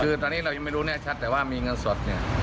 คือตอนนี้เรายังไม่รู้แน่ชัดแต่ว่ามีเงินสดเนี่ย